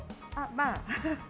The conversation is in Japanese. まあ。